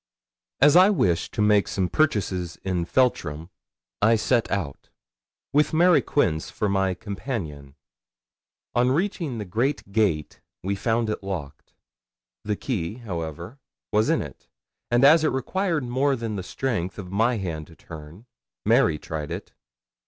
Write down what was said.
As I wished to make some purchases in Feltram, I set out, with Mary Quince for my companion. On reaching the great gate we found it locked. The key, however, was in it, and as it required more than the strength of my hand to turn, Mary tried it.